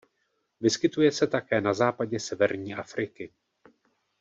Vyskytuje se také na západě severní Afriky.